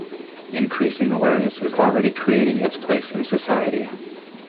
Increasing awareness is already creating its place in society.